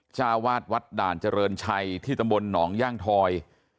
จ้าวาดวัดด่านเจริญชัยที่ตำบลหนองย่างทอย